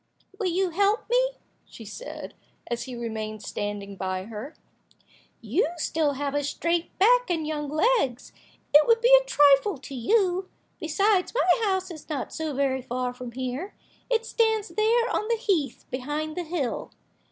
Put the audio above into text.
"Will you help me?" she said, as he remained standing by her. "You have still a straight back and young legs, it would be a trifle to you. Besides, my house is not so very far from here, it stands there on the heath behind the hill.